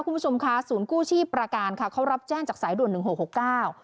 คุณผู้ชมค่ะศูนย์กู้ชีพประการค่ะเขารับแจ้งจากสายด่วนหนึ่งหกหกเก้า